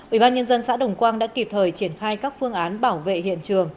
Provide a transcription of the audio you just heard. ủy ban nhân dân xã đồng quang đã kịp thời triển khai các phương án bảo vệ hiện trường